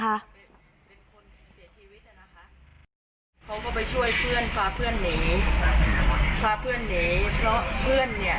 เขาก็ไปช่วยเพื่อนฟาเพื่อนหนีฟาเพื่อนหนีเพราะเพื่อนเนี้ย